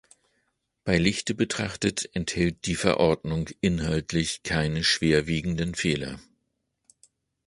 Bei Lichte betrachtet enthält die Verordnung inhaltlich keine schwer wiegenden Fehler.